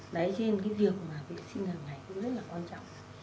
đấy cho nên cái việc mà vệ sinh hàng ngày cũng rất là quan trọng